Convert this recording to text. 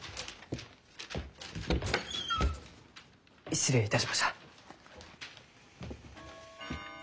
失礼いたしました。